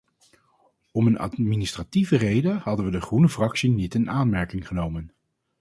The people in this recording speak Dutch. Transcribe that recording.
Om een administratieve reden hadden we de groene fractie niet in aanmerking genomen.